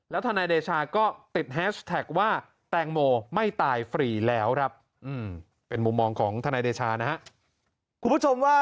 ทนายเดชาก็ติดแฮชแท็กว่าแตงโมไม่ตายฟรีแล้วครับเป็นมุมมองของทนายเดชานะครับ